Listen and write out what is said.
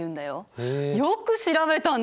よく調べたね！